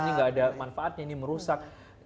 ini nggak ada manfaatnya ini merusak